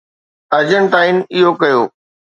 ارجنٽائن اهو ڪيو.